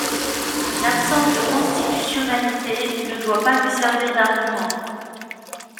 L’absence de constitutionnalité ne doit pas lui servir d’argument.